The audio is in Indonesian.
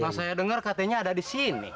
yang saya dengar katanya ada di sini